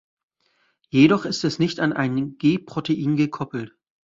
Jedoch ist es nicht an ein G-Protein gekoppelt.